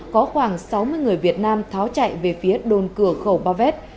có khoảng sáu mươi người việt nam tháo chạy về phía đồn cửa khẩu bavet